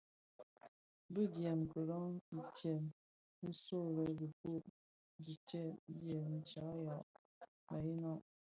Bi djèm kilōň itsem nso lè dhipud ditsem dyè shyashyak mëyeňa.